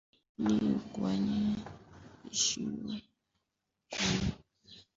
pili kwenye Chuo Kikuu cha Stockholm Uswidi aliyomaliza elfu moja mia tisa tisini na